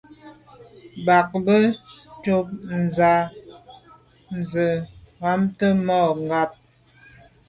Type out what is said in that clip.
Bag ba shun tshàm se’ njwimte mà ngab.